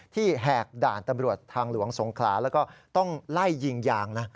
แหกด่านตำรวจทางหลวงสงขลาแล้วก็ต้องไล่ยิงยางนะ